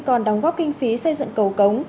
còn đóng góp kinh phí xây dựng cầu cống